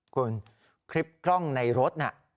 คลิปกล้องในรถ